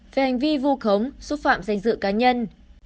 về hành vi vu khống xúc phạm danh dự cá nhân